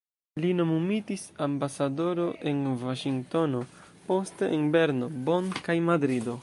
Li nomumitis ambasadoro en Vaŝingtono, poste en Berno, Bonn kaj Madrido.